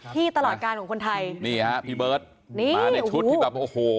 ที่ตลอดการของคนไทยนี่ฮะพี่เบิร์ตนี่มาในชุดที่แบบโอ้โห